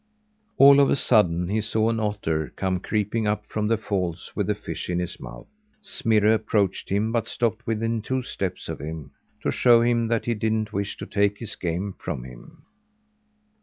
All of a sudden, he saw an otter come creeping up from the falls with a fish in his mouth. Smirre approached him but stopped within two steps of him, to show him that he didn't wish to take his game from him.